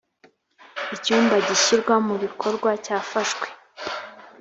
icyumba g ishyirwa mu bikorwa cyafashwe